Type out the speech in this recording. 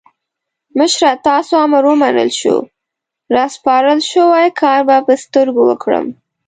مشره تاسو امر ومنل شو؛ راسپارل شوی کار به پر سترګو وکړم.